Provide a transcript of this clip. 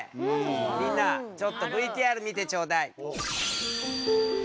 みんなちょっとＶＴＲ見てちょうだい。